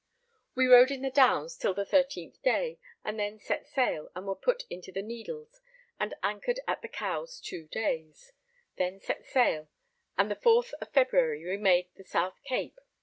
We rode in the Downs till the 13th day, and then set sail and were put into the Needles, and anchored at the Cowes two days; then set sail, and the 4th of February we made the South Cape.